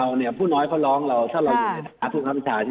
พวกชั่ววิทยาบาลผู้น้อยก็ร้องสำหรับสุผพัฒนาชายนะครับ